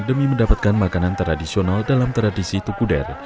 demi mendapatkan makanan tradisional dalam tradisi tukuder